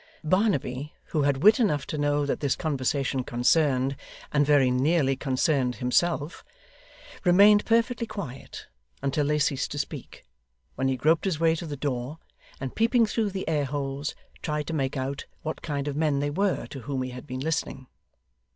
Barnaby, who had wit enough to know that this conversation concerned, and very nearly concerned, himself, remained perfectly quiet until they ceased to speak, when he groped his way to the door, and peeping through the air holes, tried to make out what kind of men they were, to whom he had been listening.